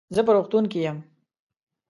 زه په روغتون کې يم.